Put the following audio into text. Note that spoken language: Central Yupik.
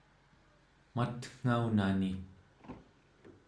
matngaunani